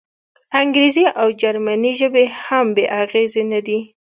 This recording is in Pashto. انګریزي او جرمني ژبې هم بې اغېزې نه دي.